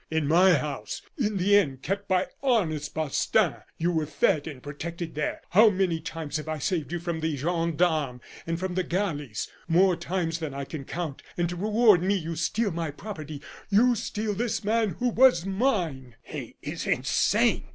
In my house, in the inn kept by honest Balstain. You were fed and protected there. How many times have I saved you from the gendarmes and from the galleys? More times than I can count. And to reward me, you steal my property; you steal this man who was mine " "He is insane!"